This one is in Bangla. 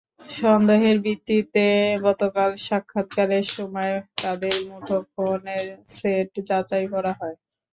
সন্দেহের ভিত্তিতে গতকাল সাক্ষাৎকারের সময় তাঁদের মুঠোফোনের সেট যাচাই করা হয়।